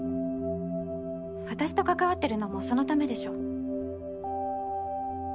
私と関わってるのもそのためでしょ。